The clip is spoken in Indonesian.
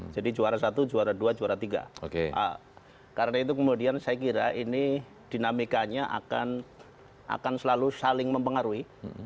jadi juara satu juara dua juara tiga karena itu kemudian saya kira ini dinamikanya akan selalu saling mempengaruhi